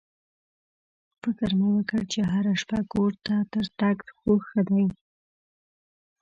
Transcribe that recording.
فکر مې وکړ چې هره شپه کور ته تر تګ خو ښه دی.